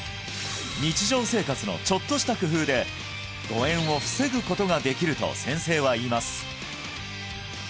日常生活のちょっとした工夫で誤嚥を防ぐことができると先生は言います